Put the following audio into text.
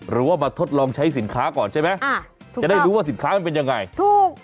หรือว่ามาทดลองใช้สินค้าก่อนใช่ไหมอ่าจะได้รู้ว่าสินค้ามันเป็นยังไงถูก